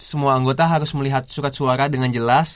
semua anggota harus melihat surat suara dengan jelas